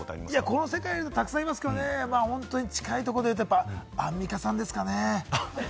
この世界たくさんいますけれども、近いところでいうとアンミカさんですかね。